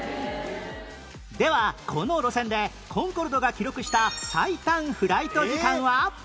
ではこの路線でコンコルドが記録した最短フライト時間は？